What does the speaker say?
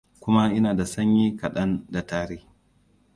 kuma ina da sanyi kadan da tari